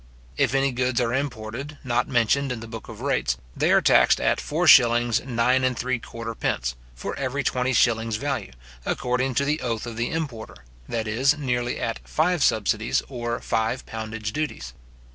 If any goods are imported, not mentioned in the book of rates, they are taxed at 4s:9¾d. for every twenty shillings value, according to the oath of the importer, that is, nearly at five subsidies, or five poundage duties.